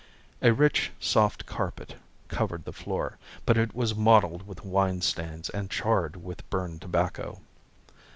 A rich, soft carpet covered the floor, but it was mottled with wine stains and charred with burned tobacco.